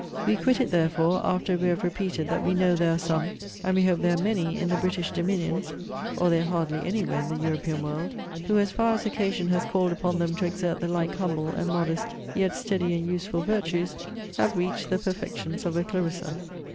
We quit it, therefore, after we have repeated that we know there are some, and we hope there are many, in the British dominions, (or they are hardly any where in the European world,) who, as far as occasion has called upon them to exert the like humble and modest, yet steady and useful, virtues, have reached the perfections of a Clarissa.